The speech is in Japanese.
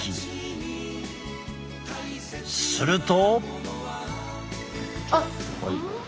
すると。